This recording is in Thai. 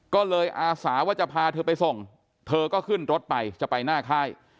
ก็เลยอาสาว่าจะพาเธอไปส่งเธอก็ขึ้นรถไปจะไปหน้าค่าย